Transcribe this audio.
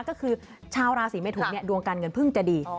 ก็คือชาวราศีแม่ถุนเนี่ยดวงการเงินพึ่งจะดี